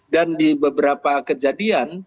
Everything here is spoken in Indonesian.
dan di beberapa kejadian